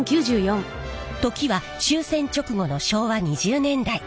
時は終戦直後の昭和２０年代。